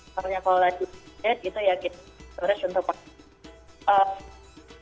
makanya kalau lagi vaksin itu yakin terus untuk pakai